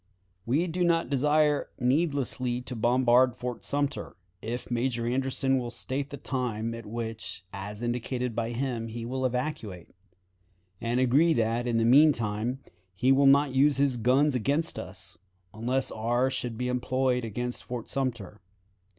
"We do not desire needlessly to bombard Fort Sumter, if Major Anderson will state the time at which, as indicated by him, he will evacuate, and agree that, in the mean time, he will not use his guns against us, unless ours should be employed against Fort Sumter.